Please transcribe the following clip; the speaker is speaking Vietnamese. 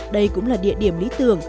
đây cũng là địa điểm lý tưởng